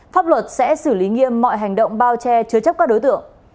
pháp luật sẽ xử lý nghiêm mọi hành động bao che chứa chấp các đối tượng